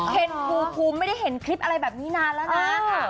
เคนภูมิไม่ได้เห็นคลิปอะไรแบบนี้นานแล้วนะ